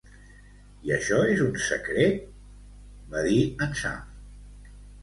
"I això és un secret?" va dir en Sam.